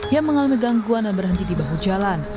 yang mengalami gangguan dan berhenti di bahu jalan